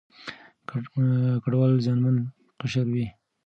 کډوال زیانمن قشر وي.